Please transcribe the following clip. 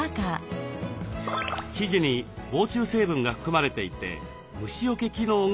生地に防虫成分が含まれていて虫よけ機能があります。